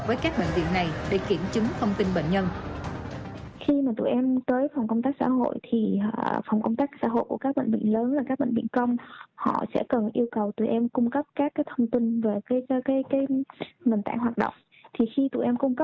với các bệnh viện này để kiểm chứng